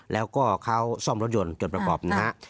แล้วก็เขาซ่อมรถยนต์จนประกอบนะฮะ